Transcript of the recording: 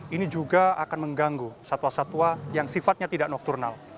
ini juga akan mengganggu satwa satwa yang sifatnya tidak nokturnal